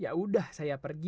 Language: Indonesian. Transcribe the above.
ya udah saya pergi